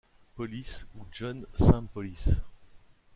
Polis, ou John Sainpolis.